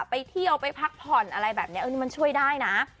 ไปเที่ยวไปพักผ่อนอะไรแบบนี้มันช่วยได้นะ